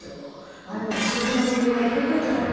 あのふしぎなもりはどこだろう？